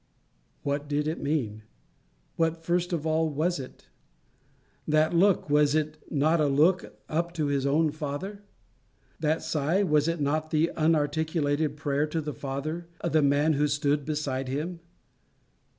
What did it mean? What first of all was it? That look, was it not a look up to his own Father? That sigh, was it not the unarticulated prayer to the Father of the man who stood beside him?